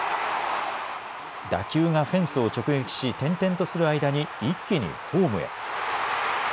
打球がフェンスを直撃し転々とする間に一気にホームへ。